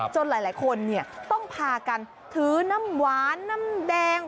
หลายคนต้องพากันถือน้ำหวานน้ำแดง